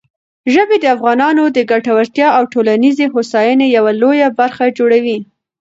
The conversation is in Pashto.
ژبې د افغانانو د ګټورتیا او ټولنیزې هوساینې یوه لویه برخه جوړوي.